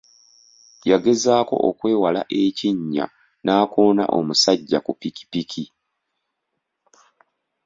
Yagezaako okwewala ekinnya n'akoona omusajja ku pikipiki.